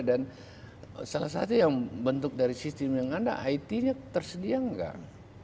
dan salah satu yang bentuk dari sistem yang ada it nya tersedia enggak